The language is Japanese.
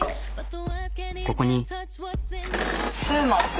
ここに。